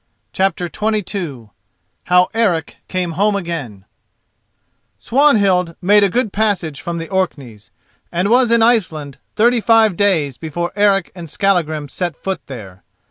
CHAPTER XXII HOW ERIC CAME HOME AGAIN Swanhild made a good passage from the Orkneys, and was in Iceland thirty five days before Eric and Skallagrim set foot there.